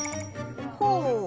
ほう。